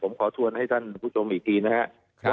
ผมขอชวนให้ท่านผู้ชมอีกทีนะครับ